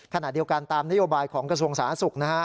ขณะเดียวกันตามนโยบายของกระทรวงสาธารณสุขนะฮะ